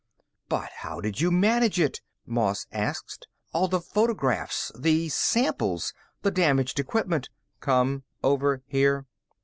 "But how did you manage it?" Moss asked. "All the photographs, the samples, the damaged equipment " "Come over here."